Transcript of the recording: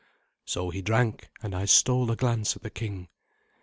So he drank, and I stole a glance at the king.